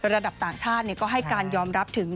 ระดับต่างชาติก็ให้การยอมรับถึง